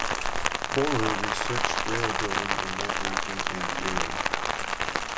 Bohrer researched railbuilding in that region and era.